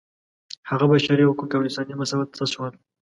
هغه بشري حقوق او انساني مساوات څه شول.